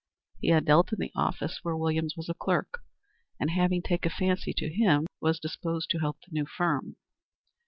He had dealt in the office where Williams was a clerk, and, having taken a fancy to him, was disposed to help the new firm.